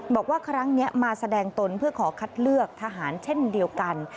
บอกว่าครั้งนี้มาแสดงตนเพื่อขอคัดเลือกทหารเช่นเดียวกัน